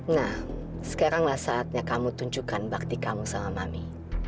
nah sekaranglah saatnya kamu tunjukkan bakti kamu sama mami